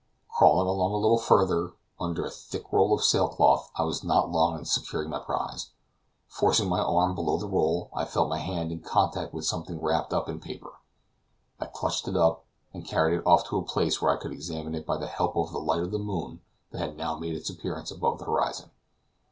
Crawling along a little farther, under a thick roll of sail cloth, I was not long in securing my prize. Forcing my arm below the roll, I felt my hand in contact with something wrapped up in paper. I clutched it up, and carried it off to a place where I could examine it by the help of the light of the moon that had now made its appearance above the horizon.